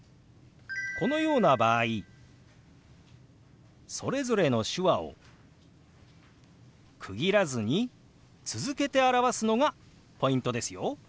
このような場合それぞれの手話を区切らずに続けて表すのがポイントですよ。